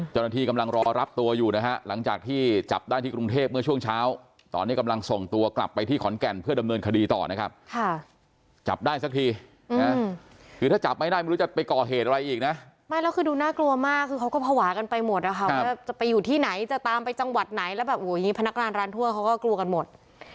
จริงจริงจริงจริงจริงจริงจริงจริงจริงจริงจริงจริงจริงจริงจริงจริงจริงจริงจริงจริงจริงจริงจริงจริงจริงจริงจริงจริงจริงจริงจริงจริง